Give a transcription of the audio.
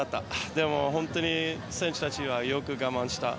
でも、本当に選手たちはよく我慢した。